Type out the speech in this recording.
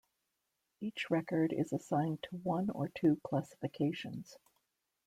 Each record is assigned to one or two classifications.